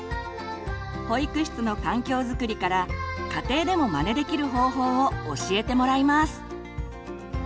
保育室の環境づくりから家庭でもまねできる方法を教えてもらいます。